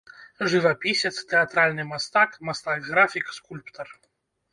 Жывапісец, тэатральны мастак, мастак-графік, скульптар.